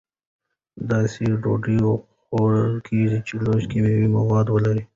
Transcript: داسې ډوډۍ غوره کړئ چې لږ کیمیاوي مواد ولري.